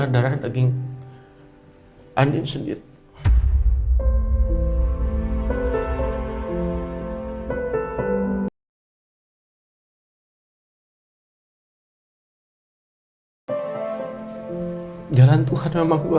bermawa anak kecil